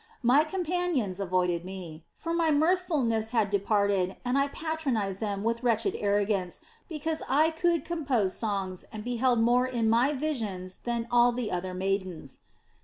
My companions avoided me; for my mirthfulness had departed and I patronized them with wretched arrogance because I could compose songs and beheld more in my visions than all the other maidens.